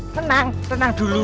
tenang tenang dulu